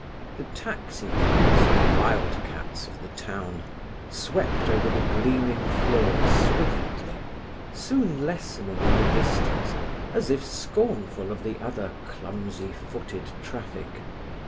The taxi cabs, the wild cats of the town, swept over the gleaming floor swiftly, soon lessening in the distance, as if scornful of the other clumsy footed traffic.